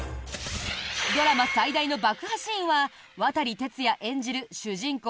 ドラマ最大の爆破シーンは渡哲也演じる主人公